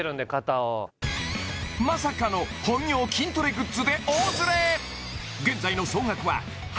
おまさかの本業筋トレグッズで大ズレ！